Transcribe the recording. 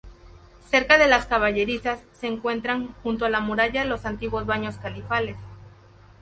Cerca de las caballerizas se encuentran, junto a la muralla, los antiguos baños califales.